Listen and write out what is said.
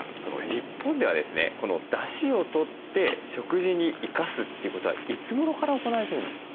日本ではですねだしをとって食事に生かすということはいつごろから行われてるんですか？